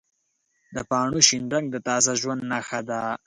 د پاڼو شین رنګ د تازه ژوند نښه ده.